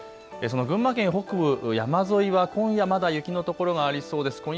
その群馬県北部山沿いは今夜まだ雪の所がありそうです。